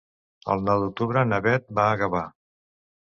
El nou d'octubre na Beth va a Gavà.